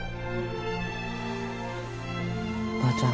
ばあちゃん